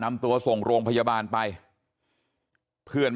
แล้วป้าไปติดหัวมันเมื่อกี้แล้วป้าไปติดหัวมันเมื่อกี้